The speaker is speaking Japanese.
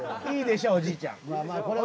いいでしょうおじいちゃん。